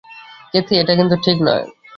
Kathy, এটা কিন্তু ঠিক নয়।